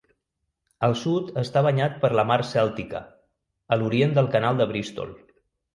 Al sud està banyat per la Mar Cèltica, a l'orient del Canal de Bristol.